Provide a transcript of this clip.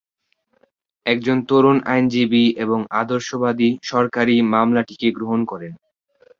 একজন তরুণ আইনজীবী এবং আদর্শবাদী সহকারী মামলাটি গ্রহণ করেন।